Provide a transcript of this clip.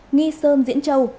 nghi sơn diễn châu